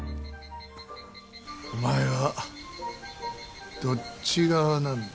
お前は、どっち側なんだ。